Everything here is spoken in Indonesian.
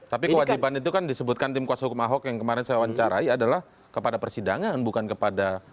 tapi kewajiban itu kan disebutkan tim kuasa hukum ahok yang kemarin saya wawancarai adalah kepada persidangan bukan kepada